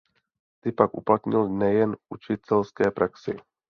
Ty pak uplatnil nejen v učitelské praxi.